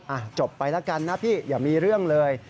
จบไปแล้วกันนะพี่อย่ามีเรื่องเลย